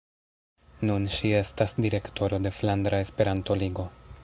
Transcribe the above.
Nun ŝi estas direktoro de Flandra Esperanto-Ligo.